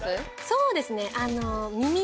そうですね。